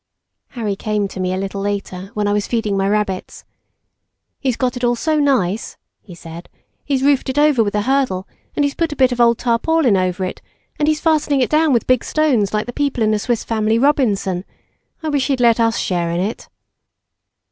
Harry came to me a little later when I was feeding my rabbits. "He's got it all so nice," he said, "he's roofed it over with a hurdle and he's put a bit of old tarpaulin over it, and he's fastening it down with big stones like the people in the Swiss Family Robinson; I wish he'd let us share in it."